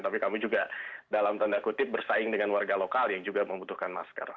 tapi kami juga dalam tanda kutip bersaing dengan warga lokal yang juga membutuhkan masker